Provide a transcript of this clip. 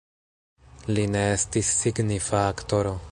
Li ne estis signifa aktoro.